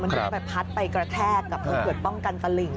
มันก็ได้ไปพัดไปกระแทกกับเผื่อป้องกันฝริง